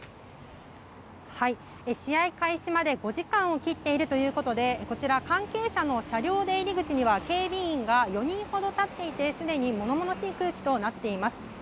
試合開始まで５時間を切っているということでこちら関係者の車両出入り口には警備員が４人ほど立っていてすでに物々しい空気となっています。